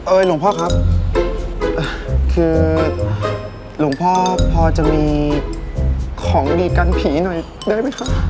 หลวงพ่อครับคือหลวงพ่อพอจะมีของดีกันผีหน่อยได้ไหมคะ